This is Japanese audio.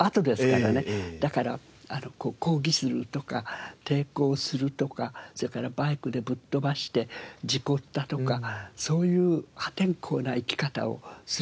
だから抗議心とか抵抗するとかそれからバイクでぶっ飛ばして事故ったとかそういう破天荒な生き方をするドラマが多かったんで。